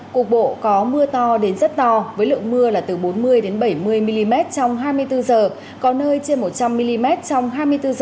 cục bộ có mưa to đến rất to với lượng mưa là từ bốn mươi bảy mươi mm trong hai mươi bốn h có nơi trên một trăm linh mm trong hai mươi bốn h